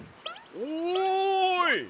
おい！